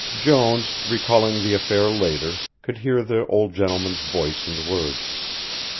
Jones, recalling the affair later, could hear the old gentleman's voice and words.